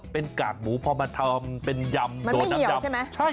เป็นกากหมูพอมาทำเป็นยำโดนจำใช่ไหมมันไม่เหี่ยวใช่ไหม